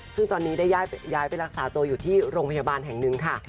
ซึ่งตอนนี้ได้ย้ายไปรักษาตัวอยู่ที่โรงพยาบาลแห่งหนึ่งค่ะ